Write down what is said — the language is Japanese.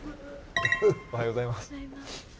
おはようございます。